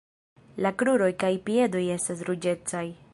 La kruroj kaj piedoj estas ruĝecaj.